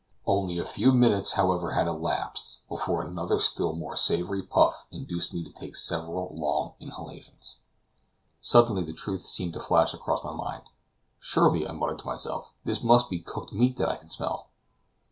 Only a few minutes, however, had elapsed before another still more savory puff induced me to take several long inhalations. Suddenly, the truth seemed to flash across my mind. "Surely," I muttered to myself, "this must be cooked meat that I can smell."